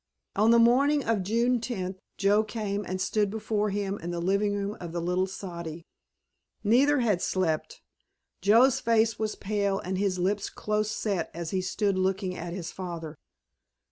On the morning of June tenth Joe came and stood before him in the living room of the little soddy. Neither had slept. Joe's face was pale and his lips close set as he stood looking at his father.